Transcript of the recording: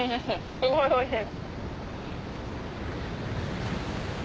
すごいおいしい！